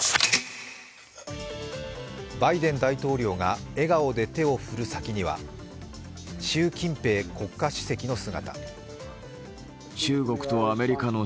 バイデン大統領が笑顔で手を振る先には習近平国家主席の姿。